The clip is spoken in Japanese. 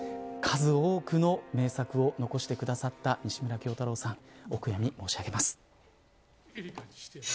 数多くの名作を残してくださった西村京太郎さん